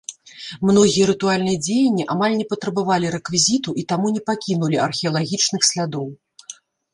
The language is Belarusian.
Многія рытуальныя дзеянні амаль не патрабавалі рэквізіту і таму не пакінулі археалагічных слядоў.